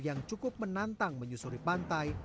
yang cukup menantang menyusuri pantai